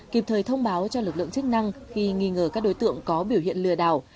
kịp thời thông báo cho lực lượng chức năng khi nghi ngờ các đối tượng có biểu hiện lừa đảo